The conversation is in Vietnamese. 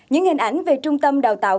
những hình ảnh về trung tâm đào tạo